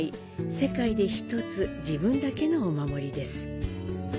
世界で１つ、自分だけのお守りです。